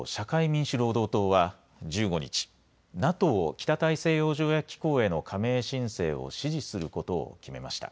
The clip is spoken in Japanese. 民主労働党は１５日、ＮＡＴＯ・北大西洋条約機構への加盟申請を支持することを決めました。